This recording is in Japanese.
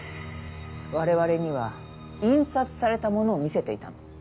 我々には印刷されたものを見せていたの。